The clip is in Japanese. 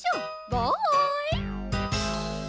バーイ！